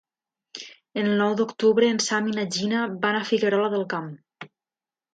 El nou d'octubre en Sam i na Gina van a Figuerola del Camp.